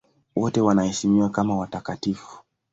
Wote wanaheshimiwa kama watakatifu.